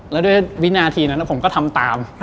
แล้วด้วยวินาทีนั้นผมก็ทำตาม